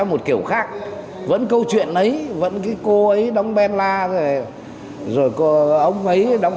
một kiểu khác vẫn câu chuyện ấy vẫn cái cô ấy đóng ben la rồi ông ấy đóng